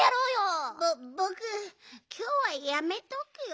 ぼぼくきょうはやめとくよ。